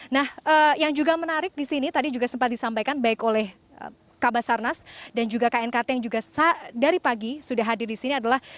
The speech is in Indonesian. nah yang juga menarik di sini tadi juga sempat disampaikan baik oleh kabasarnas dan juga knkt yang juga dari pagi sudah hadir di sini adalah